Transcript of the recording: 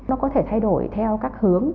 nó có thể thay đổi theo các hướng